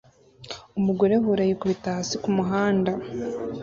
Umugore hula yikubita hasi kumuhanda